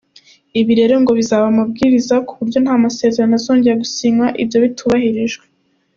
Ibi rero ngo bizaba amabwiriza ku buryo nta masezerano azongera gusinywa ibyo bitubahirijwe.